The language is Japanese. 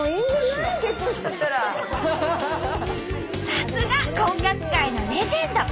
さすが婚活界のレジェンド！